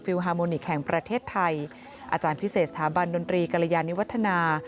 ฮาโมนิคแห่งประเทศไทยอาจารย์พิเศษสถาบันดนตรีกรยานิวัฒนา